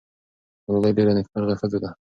ګلالۍ ډېره نېکمرغه ښځه ده.